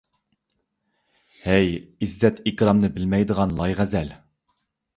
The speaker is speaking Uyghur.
ھەي، ئىززەت - ئىكرامنى بىلمەيدىغان لايغەزەل!